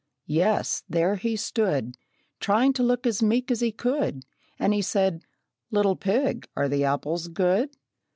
Yes, there he stood, Trying to look as meek as he could, And he said, "Little pig, are the apples good?"